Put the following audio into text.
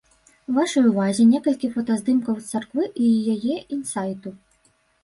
Вашай увазе некалькі фотаздымкаў царквы і яе інсайту.